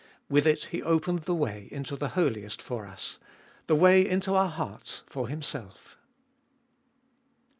With it He opened the way into the Holiest for us ; the way into our hearts for Himself.